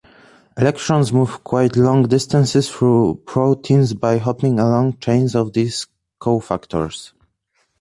Electrons move quite long distances through proteins by hopping along chains of these cofactors.